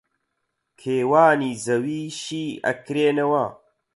کێوانی زەوی شی ئەکرێنەوە